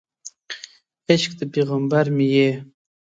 عشق د پیغمبر مې یې